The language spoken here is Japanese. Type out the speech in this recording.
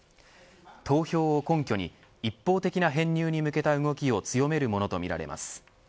投票を根拠に一方的な編入に向けた動きを強めるものとみられます。